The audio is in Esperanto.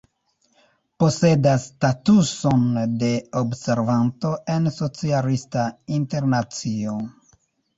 Posedas statuson de observanto en Socialista Internacio.